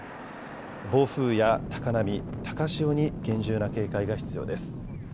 暴風や高波、高潮に厳重な警戒が必要です。